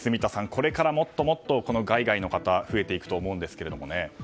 これからもっともっと海外の方増えていくと思うんですが。